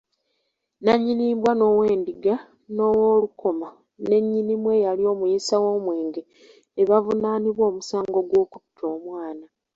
Nannyini mbwa, n'ow'endiga n'ow'olukoma ne nnyinimu eyali omuyiisa w'omwenge ne bavunaanibwa omusango gw'okutta omwana.